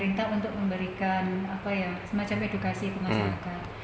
pemerintah untuk memberikan semacam edukasi pengasah agar